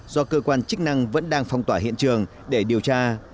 do cơ quan chức năng vẫn đang phong tỏa hiện trường để điều tra